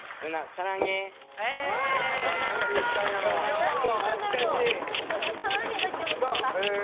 サランヘだけ分かった。